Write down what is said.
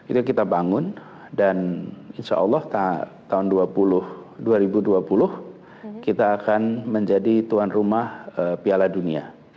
itu kita bangun dan insya allah tahun dua ribu dua puluh kita akan menjadi tuan rumah piala dunia